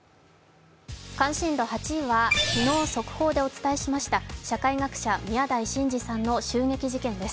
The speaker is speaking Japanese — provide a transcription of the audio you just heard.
関心度８位は昨日速報でお伝えしました、社会学者・宮台真司さんの襲撃事件です。